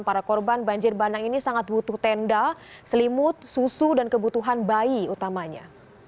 para korban banjir bandang ini sangat butuh tenda selimut susu dan kebutuhan bayi utamanya